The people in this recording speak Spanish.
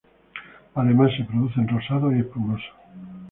Además, se producen rosados y espumosos.